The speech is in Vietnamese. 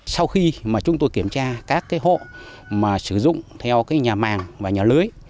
sau khi chúng tôi kiểm tra các hộ sử dụng theo nhà màng và nhà lưới